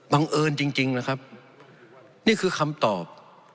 บังเอิญจริงนะครับนี่คือคำตอบ